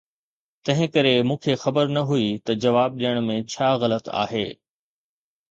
تنهنڪري مون کي خبر نه هئي ته جواب ڏيڻ ۾ ڇا غلط آهي؟